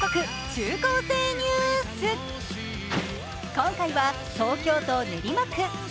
今回は東京都練馬区。